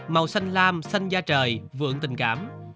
màu xanh lam xanh da trời vượng tình cảm